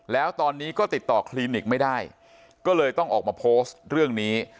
แล้วตอนนี้ก็ติดต่อคลินิกไม่ได้ก็เลยต้องออกมาโพสต์เรื่องนี้